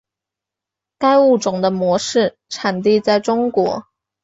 该物种的模式产地在中国。